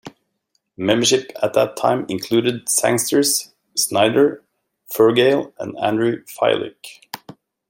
Membership at that time included Sangster, Snyder, Furgale, and Andrew Filyk.